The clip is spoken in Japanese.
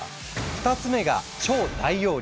２つ目が「超大容量」。